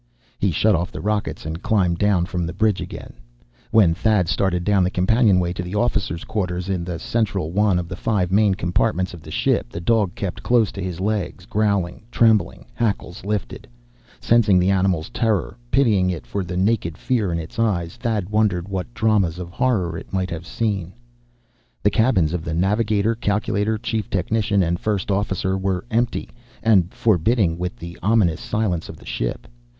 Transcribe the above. He shut off the rockets, and climbed down from the bridge again. When Thad started down the companionway to the officers' quarters, in the central one of the five main compartments of the ship, the dog kept close to his legs, growling, trembling, hackles lifted. Sensing the animal's terror, pitying it for the naked fear in its eyes, Thad wondered what dramas of horror it might have seen. The cabins of the navigator, calculator, chief technician, and first officer were empty, and forbidding with the ominous silence of the ship.